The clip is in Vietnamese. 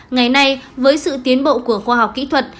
ngày nay với sự tiến bộ của khoa học kỹ thuật